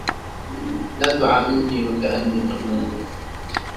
لا تعاملني وكأني طفل.